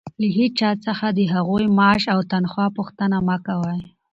له هېچا څخه د هغوى د معاش او تنخوا پوښتنه مه کوئ!